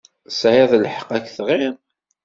Tesɛiḍ lḥeqq ad k-tɣiḍ.